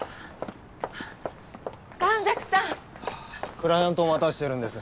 クライアントを待たせているんです。